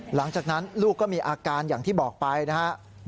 หลังจากนั้นลูกก็มีอาการอย่างที่บอกไปนะครับ